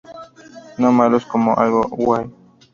No malos como algo guay.